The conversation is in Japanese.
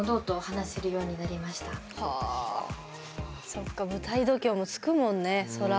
そっか舞台度胸もつくもんねそら。